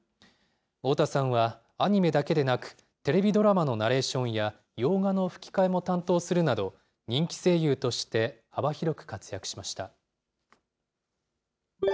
太田さんは、アニメだけでなく、テレビドラマのナレーションや洋画の吹き替えも担当するなど、人気声優として幅広く活躍しました。